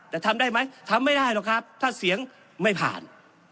แต่ทำได้ไหมทำไม่ได้หรอกครับถ้าเสียงไม่ผ่าน